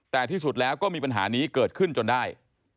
แต่ที่สุดแล้วก็มีปัญหานี้เกิดขึ้นจนได้